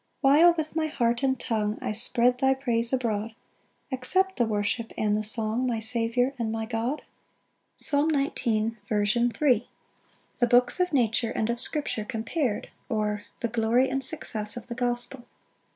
8 While with my heart and tongue I spread thy praise abroad, Accept the worship and the song, My Saviour and my God. Psalm 19:3. L. M. The books of nature and of scripture compared; or, The glory and success of the gospel.